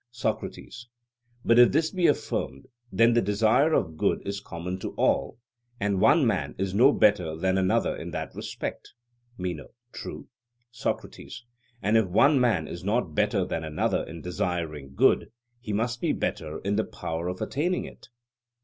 SOCRATES: But if this be affirmed, then the desire of good is common to all, and one man is no better than another in that respect? MENO: True. SOCRATES: And if one man is not better than another in desiring good, he must be better in the power of attaining it?